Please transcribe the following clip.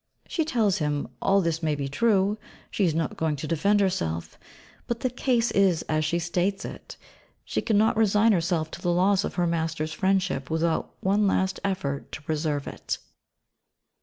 She tells him all this may be true she is not going to defend herself but the case is as she states it. She cannot resign herself to the loss of her master's friendship without one last effort to preserve it.